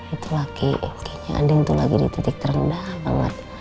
itu lagi kayaknya andin tuh lagi di titik terendah banget